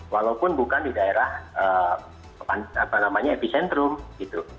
walaupun bukan di daerah epicentrum gitu